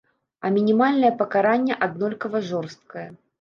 А мінімальнае пакаранне аднолькава жорсткае.